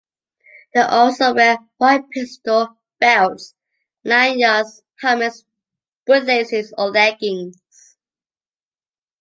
They also wear white pistol belts, lanyards, helmets, boot laces or leggings.